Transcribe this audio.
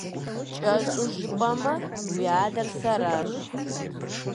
КӀэщӀу жыпӀэмэ, уи адэр сэращ…